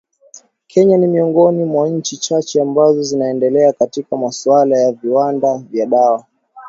kenya ni miongoni mwa nchi chache ambazo zinaendelea katika masuala ya viwanda vya dawa